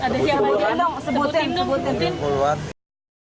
ada yang lagi yang nong sebutin